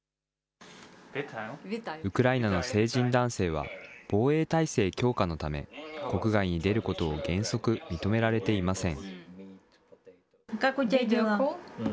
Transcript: ウクライナの成人男性は、防衛体制強化のため、国外に出ることを原則、認められていません。